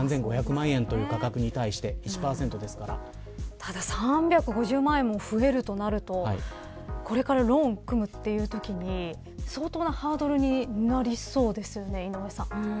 ただ３５０万円も増えるとなるとこれからローンを組むというときに相当なハードルになりそうですよね井上さん。